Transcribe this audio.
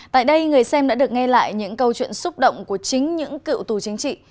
tại đây người xem đã được nghe lại những câu chuyện xúc động của chính những cựu tù chính trị